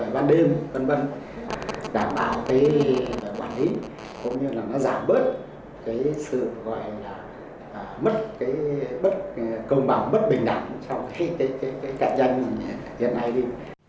bất công bằng bất bình đẳng trong cái cảnh nhân hiện nay đi